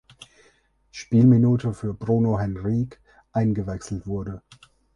Spielminute für Bruno Henrique eingewechselt wurde.